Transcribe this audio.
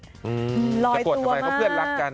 ลอยตัวมากจะโกรธทำไมเขาเพื่อนรักกัน